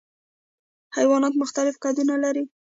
حیوانات مختلف قدونه لري.